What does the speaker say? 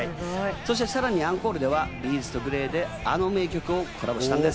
さらにアンコールではＢ’ｚとＧＬＡＹであの名曲をコラボしたんです。